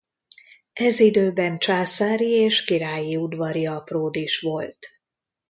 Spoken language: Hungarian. Ez időben császári és királyi udvari apród is volt.